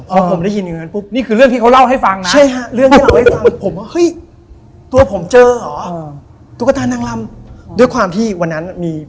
ผมก็เลยบอกด้วยความที่